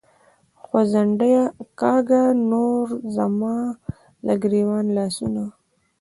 “ځونډیه”کاږه نور زما له ګرېوانه لاسونه